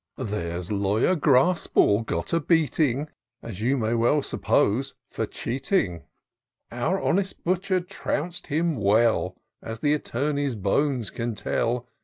— There's Lawyer Graspall got a beating. As you may well suppose, — for cheating : Our honest butcher trounc'd him well, As the attorney's bones can tell.